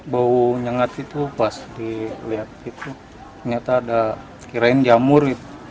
bau nyengat itu pas dilihat itu ternyata ada kirain jamur gitu